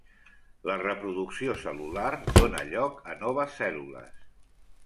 La reproducció cel·lular dóna lloc a noves cèl·lules.